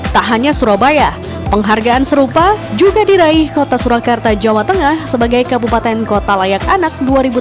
tak hanya surabaya penghargaan serupa juga diraih kota surakarta jawa tengah sebagai kabupaten kota layak anak dua ribu delapan belas